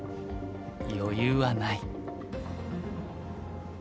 余裕はない。